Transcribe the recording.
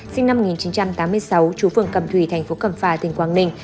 sinh năm một nghìn chín trăm tám mươi sáu trú phường cầm thủy thành phố cầm phà tỉnh quang ninh